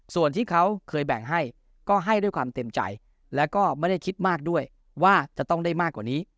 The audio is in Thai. ส่วนที่เขาเคยแบ่งให้ก็ให้ด้วยความเต็มใจแล้วก็ไม่ได้คิดมากด้วยว่าจะต้องได้มากกว่านี้